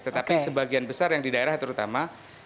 tetapi sebagian besar yang di daerah terutama